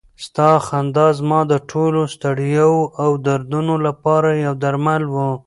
ستا خندا زما د ټولو ستړیاوو او دردونو لپاره یو درمل و.